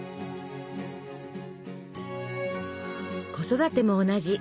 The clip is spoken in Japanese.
子育ても同じ。